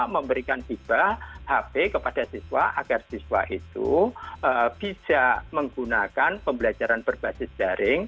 memberikan iphp kepada siswa agar siswa itu bisa menggunakan pembelajaran berbasis jaring